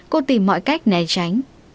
cô tìm mọi cách né tránh